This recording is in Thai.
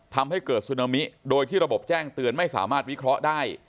ทำให้เกิดซึนามิโดยที่ระบบแจ้งเตือนไม่สามารถวิเคราะห์ได้